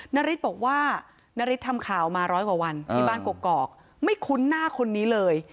นาริสบอกว่านาริสทำข่าวมาร้อยกว่าวันที่บ้านกอกไม่คุ้นหน้าคนนี้เลย